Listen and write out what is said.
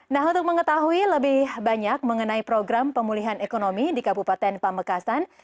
nah untuk mengetahui lebih banyak mengenai program pemulihan ekonomi di kabupaten pamekasan